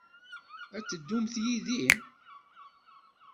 Ad d-teddumt yid-i?